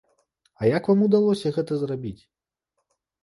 Як вам удалося гэта зрабіць?